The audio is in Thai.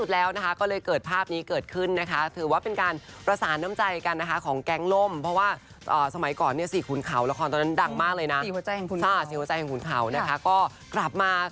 แล้วก็มีเพื่อนเชียวกันค่ะ